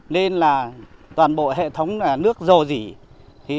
nên là toàn bộ hệ thống nước dồ dỉ